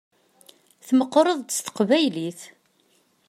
Tmeqqṛeḍ-d s teqbaylit.